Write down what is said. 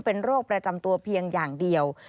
เป็นโรคประจำตัวเพียงอย่างเดียว